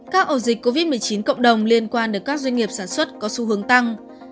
các ổ dịch covid một mươi chín cộng đồng liên quan đến các doanh nghiệp sản xuất có xu hướng tăng